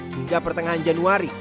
sejak pertengahan januari